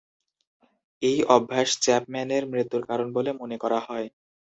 এই অভ্যাস চ্যাপম্যানের মৃত্যুর কারণ বলে মনে করা হয়।